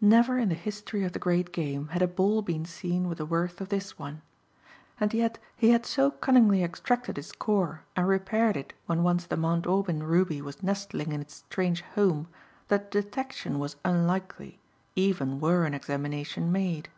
Never in the history of the great game had a ball been seen with the worth of this one. And yet he had so cunningly extracted its core and repaired it when once the Mount Aubyn ruby was nestling in its strange home that detection was unlikely, even were an examination made.